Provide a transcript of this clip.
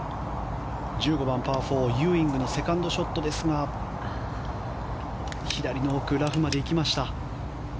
１５番、パー４、ユーイングのセカンドショットですが左の奥、ラフまで行きました。